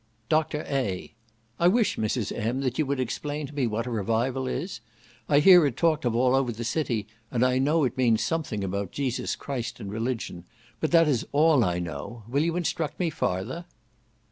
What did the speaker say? Dr. A. "I wish, Mrs. M., that you would explain to me what a revival is. I hear it talked of all over the city, and I know it means something about Jesus Christ and religion; but that is all I know, will you instruct me farther?"